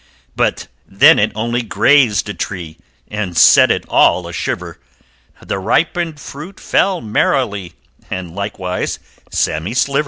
But then it only grazed a tree And set it all a shiver; The ripened fruit fell merrily And likewise Sammy Sliver!